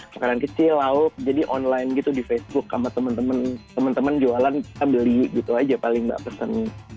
makanan kecil lauk jadi online gitu di facebook sama temen temen jualan ambil liut gitu aja paling mbak pesen